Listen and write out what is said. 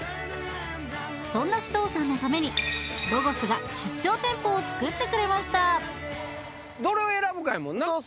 そんな獅童さんのためにロゴスが出張店舗を作ってくれましたどれを選ぶかやもんな。